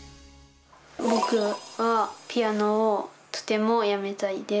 僕はピアノをとてもやめたいです。